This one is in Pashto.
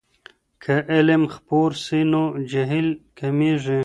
که علم خپور سي نو جهل کمېږي.